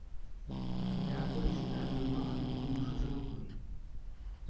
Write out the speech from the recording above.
যা করেছি তার জন্য আমি অনুশোচনা করি।